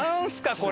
これ！